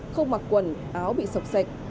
không mặc quần áo bị sọc sạch